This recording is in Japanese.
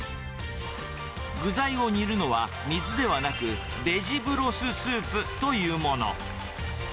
具材を煮るのは水ではなく、ベジブロススープというもの。